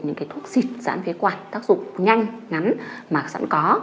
những thuốc xịt dãn phế quạt tác dụng nhanh ngắn mà sẵn có